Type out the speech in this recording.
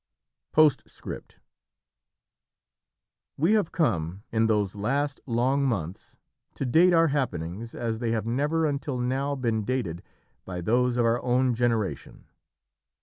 POSTSCRIPT We have come, in those last long months, to date our happenings as they have never until now been dated by those of our own generation.